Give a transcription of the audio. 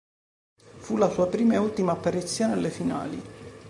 Fu la sua prima ed ultima apparizione alle finali.